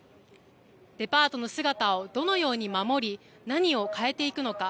デパートの姿をどのように守り、何を変えていくのか。